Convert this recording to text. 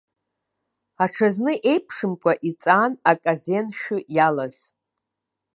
Аҽазны еиԥшымкәа иҵаан аказен шәы иалаз.